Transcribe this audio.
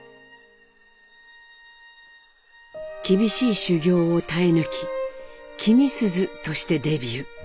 厳しい修業を耐え抜き「君すず」としてデビュー。